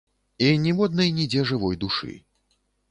І ніводнай нідзе жывой душы.